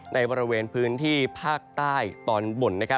ในบริเวณพื้นที่ภาคใต้ตอนบน